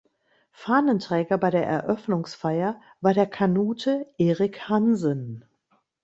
Fahnenträger bei der Eröffnungsfeier war der Kanute Erik Hansen.